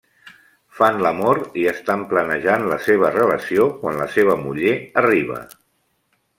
Fan l’amor i estan planejant la seva relació quan la seva muller arriba.